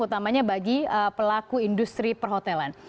utamanya bagi pelaku industri perhotelan